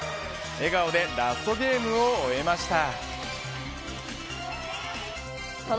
笑顔でラストゲームを終えました。